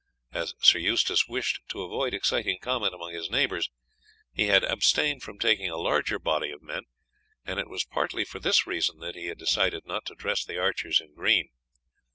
As Sir Eustace wished to avoid exciting comment among his neighbours, he had abstained from taking a larger body of men; and it was partly for this reason that he had decided not to dress the archers in green.